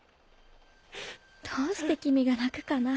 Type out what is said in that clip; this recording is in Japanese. どうして君が泣くかな？